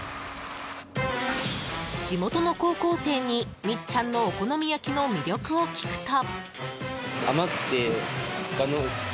地元の高校生にみっちゃんのお好み焼きの魅力を聞くと。